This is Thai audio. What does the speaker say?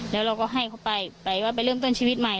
แล้วเราก็ให้เขาไปไปว่าไปเริ่มต้นชีวิตใหม่